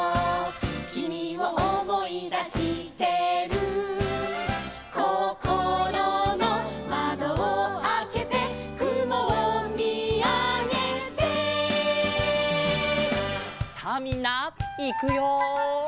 「君を思い出してる」「こころの窓をあけて」「雲を見あげて」さあみんないくよ。